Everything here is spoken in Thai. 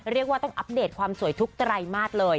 เรียกว่าต้องอัปเดตความสวยทุกไตรมาสเลย